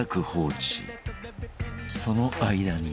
その間に